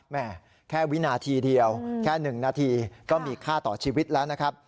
แม่แค่วินาทีเดียวแค่๑นาทีก็มีค่าต่อชีวิตแล้วนะครับ